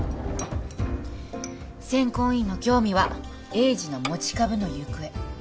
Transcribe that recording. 選考委員の興味は栄治の持ち株の行方